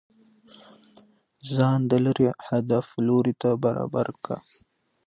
ځان د ليري هدف لور ته برابر كه